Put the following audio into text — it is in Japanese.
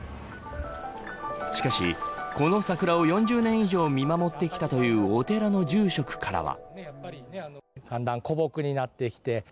しかし、この桜を４０年以上見守ってきたというお寺の住職からは。